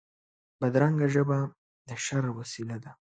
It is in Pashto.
بدرنګه ژبه د شر وسیله ده